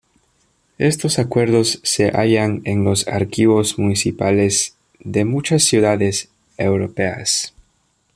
Estos acuerdos se hallan en los archivos municipales de muchas ciudades europeas.